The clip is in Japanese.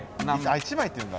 １枚っていうんだ。